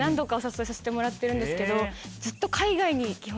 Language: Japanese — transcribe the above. させてもらってるんですけどずっと。